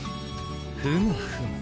ふむふむ。